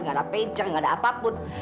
gak ada pager gak ada apapun